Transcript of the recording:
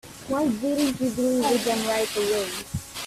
Why didn't you deliver them right away?